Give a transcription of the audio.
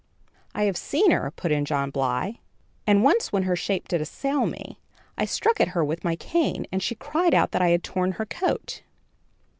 "I have seen her," put in John Bly, "and once when her shape did assail me, I struck at her with my cane, and she cried out that I had torn her coat."